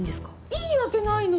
いいわけないのよ！